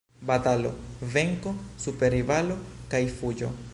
Batalo, venko super rivalo kaj fuĝo.